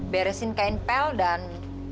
beresin kain pel dan